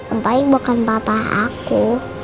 om baik bukan papa aku